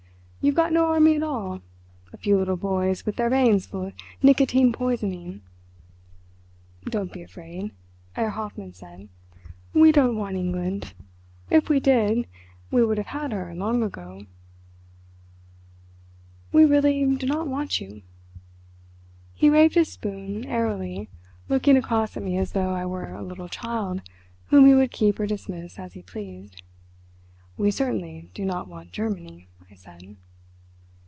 "You have got no army at all—a few little boys with their veins full of nicotine poisoning." "Don't be afraid," Herr Hoffmann said. "We don't want England. If we did we would have had her long ago. We really do not want you." He waved his spoon airily, looking across at me as though I were a little child whom he would keep or dismiss as he pleased. "We certainly do not want Germany," I said.